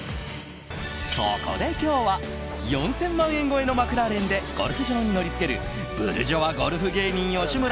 そこで今日は４０００万円超えのマクラーレンでゴルフ場に乗り付けるブルジョアゴルフ芸人吉村